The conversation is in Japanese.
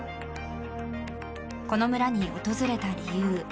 この村に訪れた理由